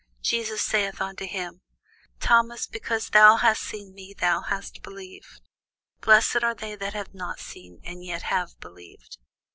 Jesus saith unto him, Thomas, because thou hast seen me, thou hast believed: blessed are they that have not seen, and yet have believed.